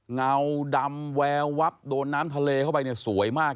เงาเวววับโดนน้ำทะเลเข้าไปสวยมาก